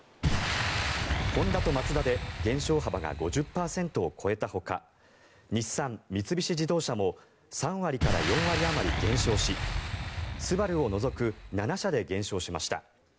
ホンダとマツダで減少幅が５０％を超えたほか日産、三菱自動車も３割から４割あまり減少しスバルを除く７社で減少しました。